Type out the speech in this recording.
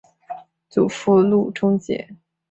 祖父路仲节。